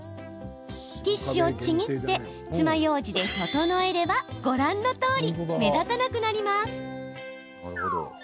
ティッシュをちぎってつまようじで整えればご覧のとおり目立たなくなります。